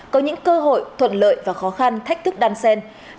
có những cơ hội thuận lợi và khó khăn thách thức đan xen những khó khăn trở ngại và thách thức